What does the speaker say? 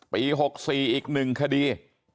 ปี๖๔อีก๑คดี